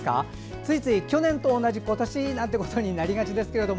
ついつい去年と同じ今年なんてことになりがちですけども。